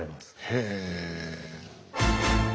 へえ。